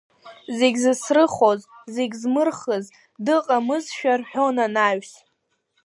Зегь зыцрыхоз, зегьы змырхыз, дыҟамызшәа рҳәон анаҩс.